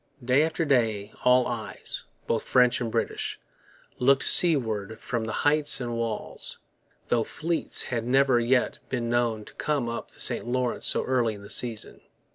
Day after day all eyes, both French and British, looked seaward from the heights and walls; though fleets had never yet been known to come up the St Lawrence so early in the season.